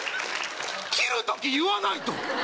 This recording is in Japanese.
切る時言わないと！